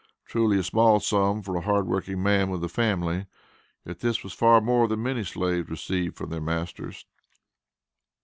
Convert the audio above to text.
Truly a small sum for a hard working man with a family yet this was far more than many slaves received from their masters.